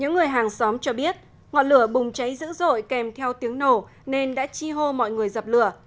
người hàng xóm cho biết ngọn lửa bùng cháy dữ dội kèm theo tiếng nổ nên đã chi hô mọi người dập lửa